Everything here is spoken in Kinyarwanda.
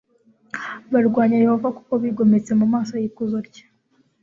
barwanya yehova kuko bigometse mu maso y'ikuzo rye